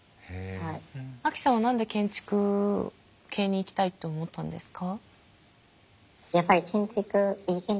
アキさんは何で建築系に行きたいって思ったんですか？